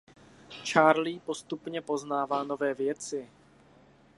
Charlie postupně poznává nové věci.